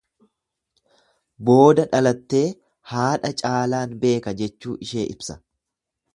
Booda dhalattee haadha caalaan beeka jechuu ishee ibsa.